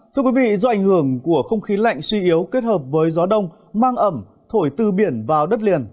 thưa quý vị do ảnh hưởng của không khí lạnh suy yếu kết hợp với gió đông mang ẩm thổi từ biển vào đất liền